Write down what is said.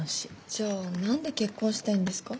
じゃあ何で結婚したいんですか？